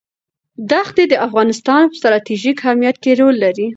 دښتې د افغانستان په ستراتیژیک اهمیت کې رول لري.